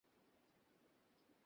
তুমি দুঃস্বপ্ন দেখেছ।